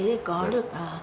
để có được